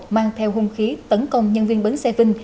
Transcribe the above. mang theo hung khí tấn công nhân viên bến xe vinh